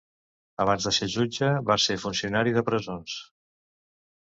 Abans de ser jutge va ser funcionari de presons.